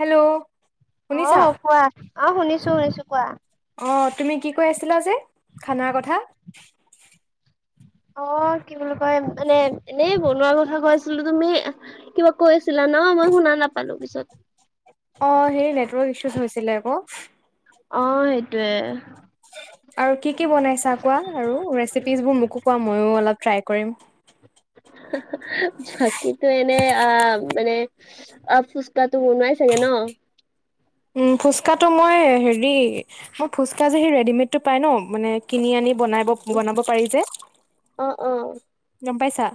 Hello শুনিছা অহ কোৱা, অহ শুনিছো, শুনিছো, কোৱা অহ, তুমি কি কৈ আছিলা যে খানাৰ কথা অহ কি বুলি কয়, মানে এনেই বনোৱা কথা কৈছিলো তুমি কিবা কৈ আছিলা নহ, মই শুনা নাপালো পিছত অহ সেই নেটৱৰ্ক ইছুজ হৈছিলে আকৌ অহ, সেইটোৱে আৰু কি কি বনাইছা, কোৱা আৰু ৰেচিপিজচ বোৰ মোকো কোৱা মইয়ো অলপ ট্ৰাই কৰিম। [inaudible] বাকী তো এনে আ, মানে আ, ফুচকা তো বনোৱাই চাগে ন? উম, ফুচকাটো মই হেৰি মোৰ ফুচকা যে সি ৰেডিমেডটো পাই ন, মানে কিনি আনি বন-বনাব পাৰি যে অ, অ, গম পাইছা,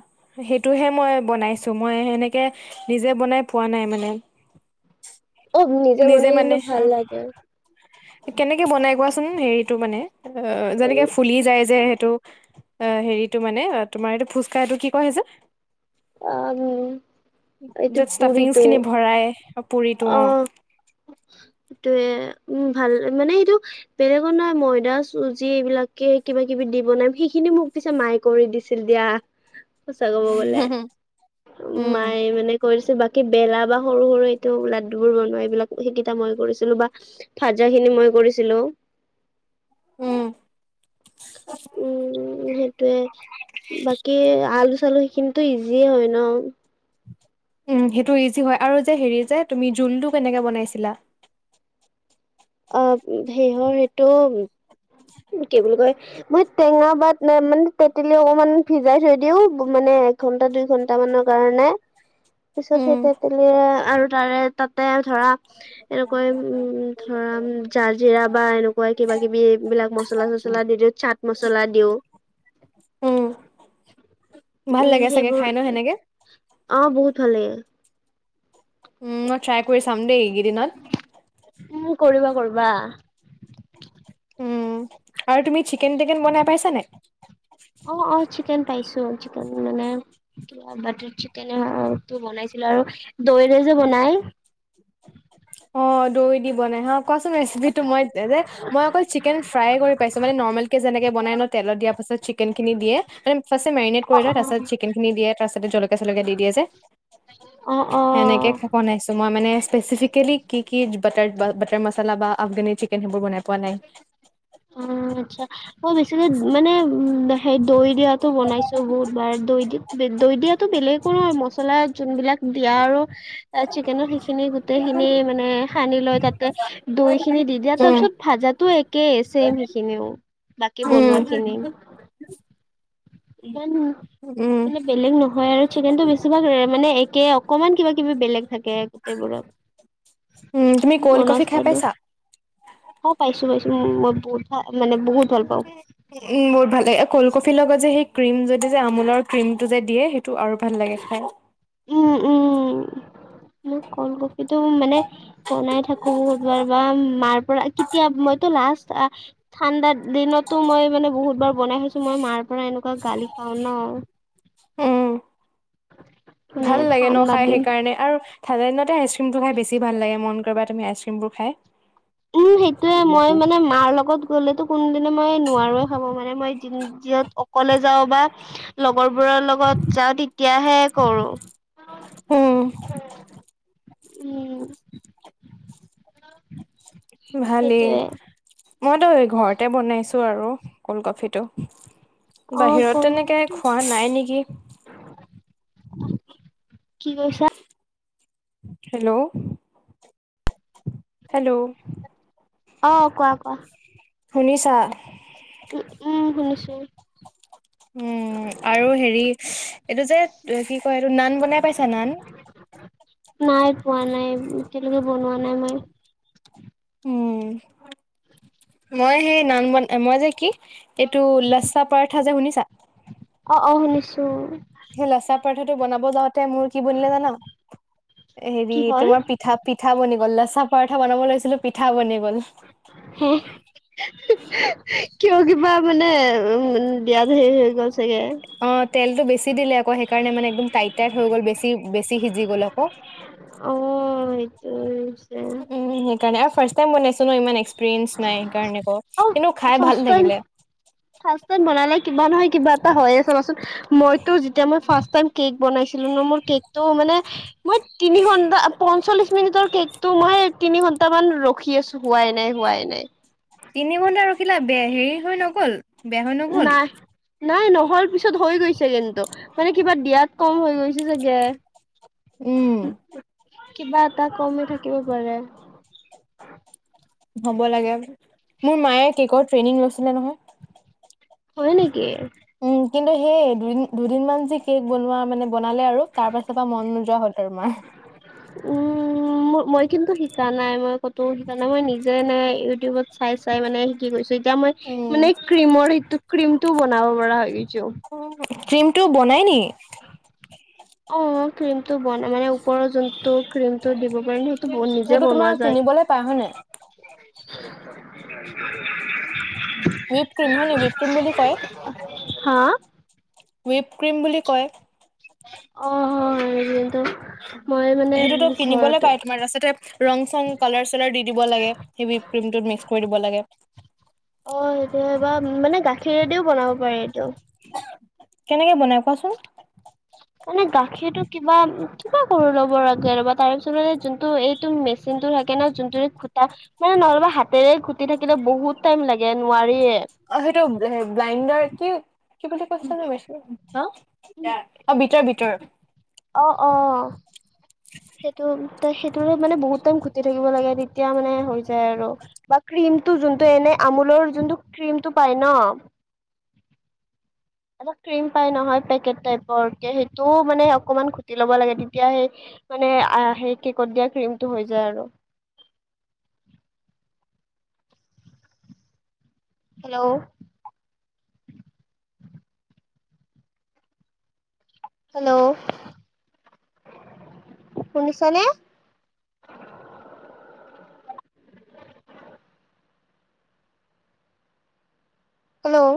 সেইটোহে মই বনাইছোঁ মই সেনেকে নিজে বনাই পোৱা নাই মানে। অ, নিজে বনাই কিন্তু ভাল লাগে। কেনেকে বনাই কোৱাচোন? হেৰিতটো মানে অ, যেনেকে উম ফুলি যায় যে সেইটো অ, হেৰিটো মানে, তোমাৰ এইটো ফুচকা এইটো কি কয় যে আম এইটো [inaudible] পুৰিটো খিনি ভৰাই অ, সেইটোয়ে উম, ভাল মানে এইেটো বেলেগৰ নহয় ময়দা চুজি এইবিলাকে কিবা, কিবি দি বনাম, সেইখিনি মোক পিছে মাই কৰি দিছিল দিয়া, সঁচা কব গ'লে উম মায়ে মানে কৰিছে, বাকী বেলা বা সৰু, সৰু। লাডু বোৰ বনোৱা এইবিলাক, সেইকেইটা মই কৰিছিলো বা, ভাজা খিনি মই কৰিছিলো। উম, উম, সেইটোয়ে বাকী আলু-চালু সেইখিনি তো, ইজিয়ে হয় ন উম, সেইটো ইজি হয়, আৰু যে হেৰি যে তুমি জোলটো কেনেকে বনাইছিলা? অ, সেইহৰ এইটো, কি বুলি কয়? বত, টেঙা বা মানে তেঁতেলী অলপ মান ভিজাই থৈ দিও মানে এঘণ্টা দুই ঘণ্টা মানৰ কাৰণে। পিছত উম সেই তেতেলী আৰু তাৰে- তাতে ধৰা এনেকুৱাই উম, ধৰাম জালজিৰা বা এনেকুৱা কিবা-কিবি এইবিলাক মচলা-চচলা মচলা দি দিওঁ, চাট মচলা দিওঁ। উম, ভাল উম লাগে চাগে সেইবোৰ খাই ন, সেনেকে? অ, বহুত ভালে লাগে। উম, মই ট্ৰাই কৰি চাম দেই এইকেইদিনত। উম, কৰিবা কৰিবা। উম আৰু তুমি চিকেন-টেকেন বনাই পাইছ নে? অ, অ, চিকেন পাইছো, চিকেন মানে কিবা বাটাৰ চিকেনটো বনাইছিলো, আৰু দৈ ৰে যে বনাই। অ, দৈ দি বনাই হা কোৱাচোন ৰেচেপিটো, মই যে মই অকল চিকেন ফ্ৰাই কৰি পাইছো, মানে নৰ্মেল কে যেনেকে বনাই ন তেলত দিয়া পাছত চিকেন খিনি দিয়ে মানে ফাৰ্ষ্ট এই মেৰিনেট অ কৰি লয়, অ। তাৰপাছত চিকেনখিনি দিয়ে তাৰপছ জলকীয়া জলকীয়া দি দিয়ে যে। অ সেনেকে অ। বনাইছো মই মানে স্পেচিফিকেলি কি কি, বাটাৰ-বাটাৰ মচালা বা আফগানি চিকেন সেইবোৰ বনাই পোৱা নাই। অ, আচ্ছা মই বেছিকৈ মানে [inaudible] সেই দৈ দিয়াতটো বনাইছো বহুত বাৰ, দৈ, দি দৈ, দিয়াতো বেলেগৰো হয়, মছলা যোন বিলাক দিয়া আৰু চিকেনৰ সেইখিনি গোতেই খিনি মানে সানি লৈ তাতে, দৈ খিনি দি দিয়া তাৰ উম পিছত ভাজাতো একেই ছেম, সেইখিনিও বাকী উম বনোৱা খিনি [unintelligible] উম মানে বেলেগ নহয় আৰু, চিকেনটো বেছিভাগ মানে একে অকমান কিবা-কিবি বেলেগ থাকে। গোটেই বোৰত, উম তুমি ক'ল্ড ব'নাছ কফি খাই পালোঁ। পাইছা অ পাইছো পাইছো মই বহুত ভাল মানে বহুত ভাল পাওঁ [inaudible] উম বহুত ভাল লাগে। কল্ড কফিৰ লগত যে সেই ক্ৰিম যদি যে আমুললৰ ক্ৰিমটো যে দিয়ে সেইটো আৰু ভাল লাগে খাই। উম উম মোৰ কল্ড কফিটো মানে বনাই থাকো [unintelligible] মাৰ পৰা কেতিয়া মইতো লাষ্ট ঠাণ্ডাৰ দিনতো মই মানে বহুতবাৰ বনাই খাইছোঁ মই মাৰ পৰা এনেকুৱা গালি খাওঁ ন। উম মানে ভাল লাগে ন ঠাণ্ডাৰ খাই দিন সেইকাৰণে আৰু ঠাণ্ডা দিনতে আইচক্ৰীমটো খাই বেছি ভাল লাগে, মন কৰিবা তুমি আইচক্ৰীমবোৰ খাই। উম সেইটোয়ে মই মানে মাৰ লগত গ'লেতো কোন দিন মই মই নোৱাৰো খাব মানে মই যিত অকলে যাওঁ বা লগৰবোৰৰ লগত যাওঁ তেতিয়াহে কৰো। উম। উম ভালে। সেইটোৱে মইতো এই ঘৰতে বনাইছোঁ আৰু কল্ড কফিটো। অ ক বাহিৰত তেনেকে খোৱা নাই নেকি। কি কৈছা? Hello hello. অ কোৱা কোৱা। শুনিছা? উ উম শুনিছো। উম আৰু হেৰি এইটো যে কি কয় এইটো নান বনাই পাইছা নান? নাই পোৱা না, ই এতিয়ালৈকে বনোৱা নাই মই। উম মই সেই নান বন মই যে কি, এইটো লেচ্ছা পাৰঠা যে শুনিছা? অ অ শুনিছো। সেই লেচা পৰথাটো বনাব যাওঁতে মোৰ কি বনিলে জানা? হেৰি কি হ'ল তোমাৰ পি পিঠা পিঠা বনি গ'ল। লেচা পৰঠা বনাব লৈছিলো পিঠা বনি গ'ল। হম কিয় কিবা মানে উ দিয়াত হেৰি হৈ গ'ল চাগে। অ তেলতটো বেছি দিলে আকৌ সেইকাৰণে মানে একদম টাইট টাইট হৈ গ'ল বেছি বেছি সিজি গ'ল আকৌ। অ এইটো হৈছে। উম সেইকাৰণে আৰু ফাৰ্ষ্ট টাইম বনাইছো ন ইমান এক্সপিৰিয়েন্ঞ্চ নাই সেইকাৰণে আকৌ। অ কিন্তু খাই ফাৰ্ষ্ট ভাল টাইম লাগিলে। ফাৰ্ষ্ট টাইম বনালে কিবা নহয় কিবা কিবা এটা হয়য়ে চাবাচোন। মইতো যেতিয়া মই ফাৰ্ষ্ট টাইম কেক বনাইছিলো না মোৰ কেক মানে মই তিনি ঘণ্টা পঞ্চল্লিছ পঞ্চল্লিছ মিনিটৰ কেকটো মই তিনি ঘন্ট মান ৰখি আছো হোৱাই নাই হোৱাই নাই। তিনি ঘন্টা ৰখিলা বেয়া হেৰি হৈ নগ'ল বেয়া হৈ নগ'ল? নাই নাই নহ'ল পিছত হৈ গৈছে কিন্তু মানে কিবা দিয়াত কম হৈ গৈছে চাগে। উম কিবা এটা কমেই থাকিব পাৰে। হ'ব লাগে। মোৰ মায়ে কেকৰ ট্ৰেইনিং লৈছিলে নহয়। হয় নেকি? উম কিন্তু সেয়ে দুদিন-দুদিনমান যে কেক বনোৱা মানে বনালে আৰু তাৰ পাছৰ পৰা মন নোযোৱা হ'ল মাৰ। উম ম-মই কিন্তু শিকা নাই মই কতো শিকা নাই মই নিজে ইউটিউবত চাইছো তাই মানে কি কৈছো এতিয়া মই উম মানে ক্ৰীমৰ সেইটো ক্ৰীম টো বনাব পৰা হৈ গৈছো অ ক্ৰীম টো বনাই নি? অ ক্ৰীমটো বন মানে ওপৰৰ যোনটো ক্ৰিমটো দিব পাৰি ন তো নিজে সেইটো তোমাৰ বনোৱা যায় কিনিবলৈ পাই হয় নাই উইপ ক্ৰীম হয়নে উইপ ক্ৰীম বুলি কয় হা উইপ ক্ৰীম বুলি কয় অ অ কিন্তু মই মানে সেইটোতো কিনিবলে ঘৰতে পায় তোমাৰ ৰাস্তাতে ৰং চং কালাৰ চালাৰ দি দিব লাগে সেভি ক্ৰীম টোত মিক্স কৰি দিব লাগে। অ সেইটো হয় বা মানে গাখৰেদিও বনাব পাৰে এইটো কেনেকে বনাই কোৱাচোন? মানে গাখীৰটো কিবা কিবা কৰি ল'ব লাগে ৰবা তাৰ পিছতে যোনটো এই টো মেচিনতো থাকে ন যোনটোৰে খুটা মানে নহলেবা হাতেৰে খুটি থাকিলে বহুত টাইম লাগে নোৱাৰিয়ে অ সেইটো ব্লাইণ্ডাৰ কি কি বুলি কৈছে জানোঁ মেছিনৰ হা অ ভিতৰ ভিতৰ অ অ সেইটো সেইটো মানে বহুত টাইম ঘটি থাকিব লাগে তেতিয়া মানে হৈ যায় আৰু বা ক্ৰীমটো যোনটো এনে আমোলৰ যোনটো ক্ৰীমটো পাই ন এটা ক্ৰীম পাই নহয় পেকেট টাইপৰক সেইটো মানে অকমান ঘুটি ল'ব লাগে তেতিয়া সেই মানে আহ সেই কেকত দিয়া ক্ৰীমটো হৈ যায় আৰু হেল্লো হেল্ল' শুনিছানে? হেল্ল'